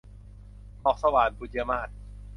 หมอกสวาท - บุษยมาส